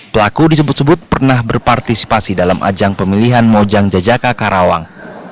pelaku disebut sebut pernah berpartisipasi dalam ajang pemilihan mojang jajaka karawang